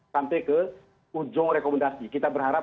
sampai ke ujung rekomendasi kita berharap